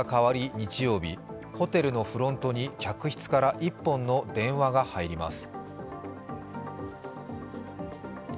日曜日ホテルのフロントに客室から１本の電話が入ります。